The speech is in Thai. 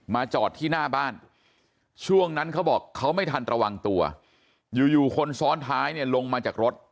จอดที่หน้าบ้านช่วงนั้นเขาบอกเขาไม่ทันระวังตัวอยู่อยู่คนซ้อนท้ายเนี่ยลงมาจากรถ